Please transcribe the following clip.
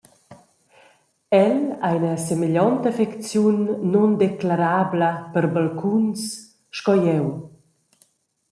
El ha ina semeglionta affecziun nundeclarabla per balcuns sco jeu.